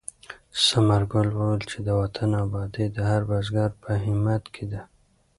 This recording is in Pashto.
ثمر ګل وویل چې د وطن ابادي د هر بزګر په همت کې ده.